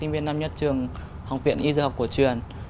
về trường học viện y dược học của truyền